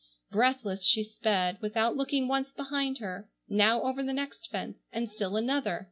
Breathless she sped, without looking once behind her, now over the next fence and still another.